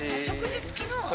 食事付きの。